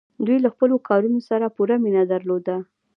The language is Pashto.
دوی له خپلو کارونو سره پوره مینه درلوده.